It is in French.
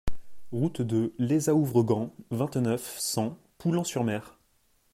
Route de Lezaouvreguen, vingt-neuf, cent Poullan-sur-Mer